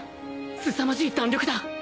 すさまじい弾力だ！